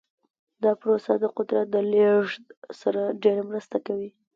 دا پروسه د قدرت د لیږد سره ډیره مرسته کوي.